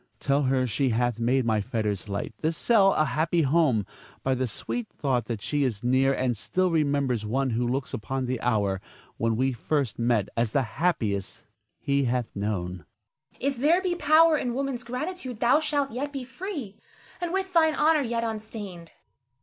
Tell her she hath made my fetters light, this cell a happy home, by the sweet thought that she is near and still remembers one who looks upon the hour when first we met as the happiest he hath known. Zara. If there be power in woman's gratitude, thou shalt yet be free, and with thine honor yet unstained.